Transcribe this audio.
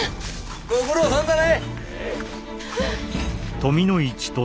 ご苦労さんだね。